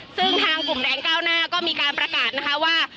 ซึ่งทางกลุ่มแดงก้าวหน้าก็มีการประกาศนะคะว่า